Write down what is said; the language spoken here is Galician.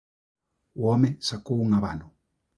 O home sacou un habano.